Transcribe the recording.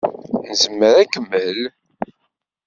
Nezmer ad nkemmel?